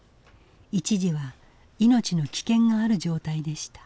一時は命の危険がある状態でした。